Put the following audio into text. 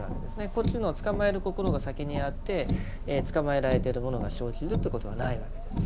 こっちのつかまえる心が先にあってつかまえられてるものが生じるってことはないわけです。